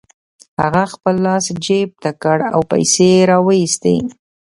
هغه خپل لاس جيب ته کړ او پيسې يې را و ايستې.